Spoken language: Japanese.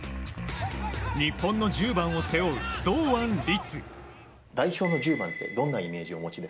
日本の１０番を背負う堂安律。